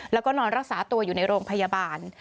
แล้วก็นอนรักษาตัวอยู่ในโรงพยาบาล